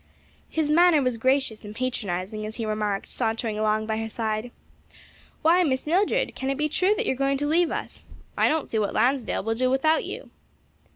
His manner was gracious and patronizing as he remarked sauntering along by her side, "Why, Miss Mildred, can it be true that you are going to leave us? I don't see what Lansdale will do without you."